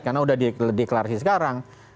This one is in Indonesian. karena sudah di deklarasi sekarang